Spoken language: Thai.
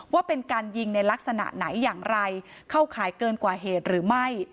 ว่าเป็นการยิงในลักษณะไหนอย่างไรเข้าขายเกินกว่าเหตุหรือไม่